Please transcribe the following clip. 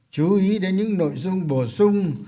chú ý đến những nội dung bổ sung